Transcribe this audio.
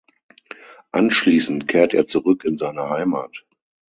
Anschließend kehrt er zurück in seine Heimat.